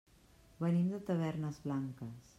Venim de Tavernes Blanques.